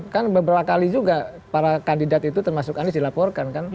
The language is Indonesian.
kan beberapa kali juga para kandidat itu termasuk anies dilaporkan kan